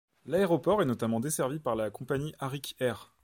L’aéroport est notamment desservi par la compagnie Arik Air.